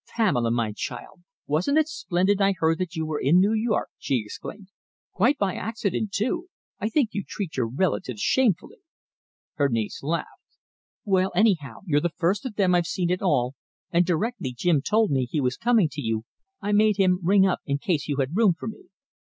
"Pamela, my child, wasn't it splendid I heard that you were in New York!" she exclaimed. "Quite by accident, too. I think you treat your relatives shamefully." Her niece laughed. "Well, anyhow, you're the first of them I've seen at all, and directly Jim told me he was coming to you, I made him ring up in case you had room for me."